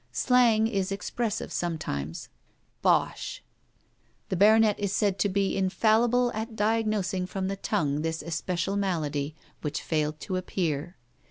Slang is expressive sometimes. 'Bosh!' The baronet is said to be infallible at 'diagnosing' from the tongue this especial malady, which failed to appear.